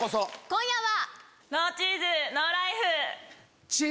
今夜は！